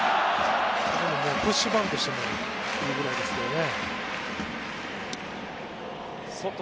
プッシュバントしてもいいくらいですね。